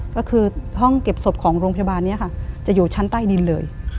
ก็คือห้องเก็บศพของโรงพยาบาลนี้ค่ะจะอยู่ชั้นใต้ดินเลย